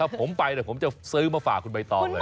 ผมไปเดี๋ยวผมจะซื้อมาฝากคุณใบตองเลย